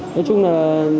nói chung là